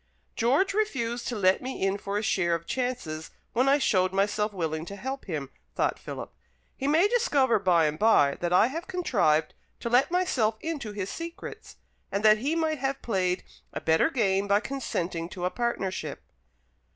"George refused to let me in for a share of chances when I showed myself willing to help him," thought Philip. "He may discover by and by that I have contrived to let myself into his secrets; and that he might have played a better game by consenting to a partnership."